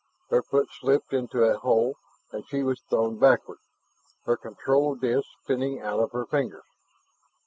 Her foot slipped into a hole and she was thrown backward, her control disk spinning out of her fingers.